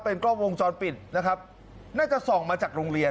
กล้องวงจรปิดนะครับน่าจะส่องมาจากโรงเรียน